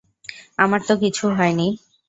আমার তো কিছু হয়নি।